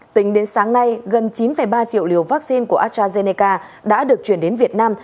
tính đến sáng nay gần chín ba triệu liều vaccine của astrazeneca đã được chuyển đến việt nam